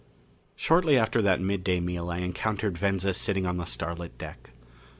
V Shortly after that midday meal I encountered Venza sitting on the starlit deck.